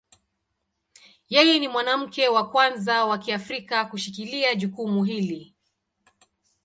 Yeye ni mwanamke wa kwanza wa Kiafrika kushikilia jukumu hili.